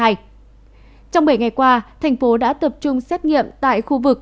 trong bảy ngày qua thành phố đã tập trung xét nghiệm tại khu vực